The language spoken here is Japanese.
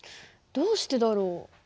どうしてだろう？